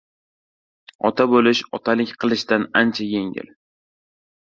Ota bo‘lish otalik qilishdan ancha yengil.